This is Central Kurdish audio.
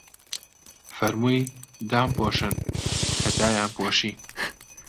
فەرمووی: دام پۆشن، کە دایان پۆشی